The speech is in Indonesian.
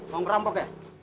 mau merampok ya